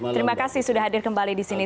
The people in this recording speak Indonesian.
terima kasih sudah hadir kembali di sini